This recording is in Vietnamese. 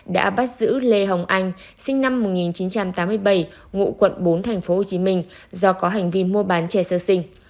đã bắt giữ lê hồng anh sinh năm một nghìn chín trăm tám mươi bảy ngụ quận bốn tp hcm do có hành vi mua bán trẻ sơ sinh